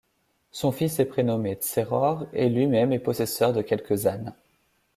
Son fils est prénommé Tseror et lui-même est possesseur de quelques ânes.